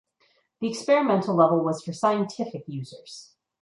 The experimental level was for scientific users.